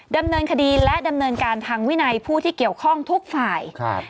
ดำเนินคดีและดำเนินการทางวินัยผู้ที่เกี่ยวข้องทุกฝ่ายครับ